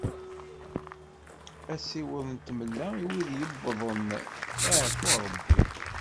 Asiweḍ n tmella i wid yewwḍen leɛfu n Rebbi.